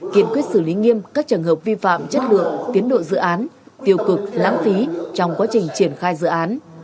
kiên quyết xử lý nghiêm các trường hợp vi phạm chất lượng tiến độ dự án tiêu cực lãng phí trong quá trình triển khai dự án